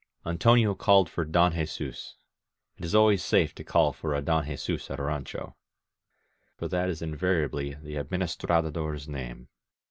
Antonio called for Don Jesus. It is always safe to call for Don Jesus at a rancho, for that is invaria bly the administrador*s name.